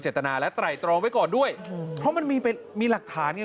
ตนาและไตรตรองไว้ก่อนด้วยเพราะมันมีเป็นมีหลักฐานไง